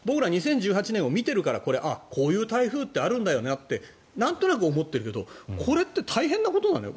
僕ら、２０１８年を見ているからこういう台風ってあるんだよなってなんとなく思ってるけどこれって大変なことなのよ。